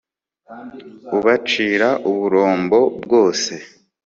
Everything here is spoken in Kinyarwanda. ubacira uburumbo bwose